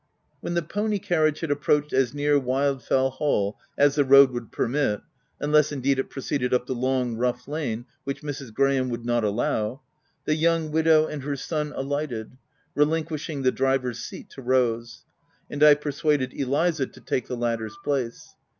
When the pony carriage had approached as near Wildfell Hall as the road would permit — OF WILDFELL HALL. 137 unless, indeed it proceeded up the long rough lane, which Mrs. Graham would not allow — the young widow and her son alighted, relinquishing the driver's seat to Rose ; and 1 persuaded Eliza to take the latter's place.